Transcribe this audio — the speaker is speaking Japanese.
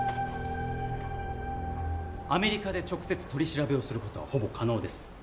アメリカで直接取り調べをする事はほぼ可能です。